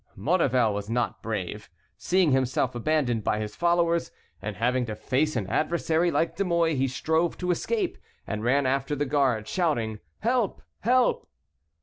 Maurevel was not brave. Seeing himself abandoned by his followers, and having to face an adversary like De Mouy, he strove to escape, and ran after the guard, shouting, "help! help!"